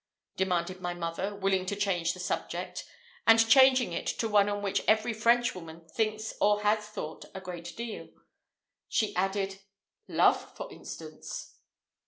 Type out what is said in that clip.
demanded my mother, willing to change the subject; and changing it to one on which every Frenchwoman thinks or has thought a great deal, she added, "Love for instance?"